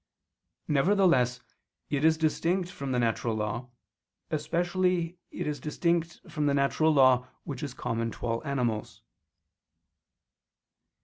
Nevertheless it is distinct from the natural law, especially it is distinct from the natural law which is common to all animals.